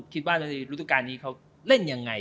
เขาจะรู้ตัวการนี้เขาเล่นยังไง